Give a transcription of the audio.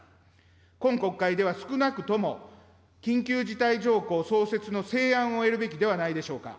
今国会では少なくとも、緊急事態条項創設の成案を得るべきではないでしょうか。